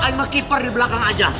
ayo ke per di belakang aja